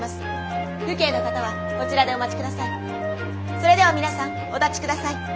それでは皆さんお立ちください。